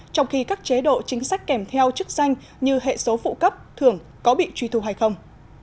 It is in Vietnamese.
trong khi các chế độ chính sách kèm theo chức danh như hệ số phụ cấp thường có bị truy thu hay không